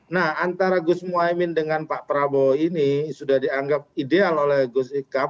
nah antara gus muhaymin dengan pak prabowo ini sudah dianggap ideal oleh gus ikam